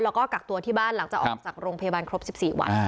แล้วก็กักตัวที่บ้านหลังจากออกจากโรงพยาบาลครบ๑๔วัน